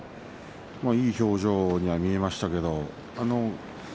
いい表情には見えましたけれども。